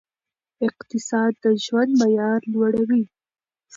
اقتصاد د ژوند معیار لوړوي.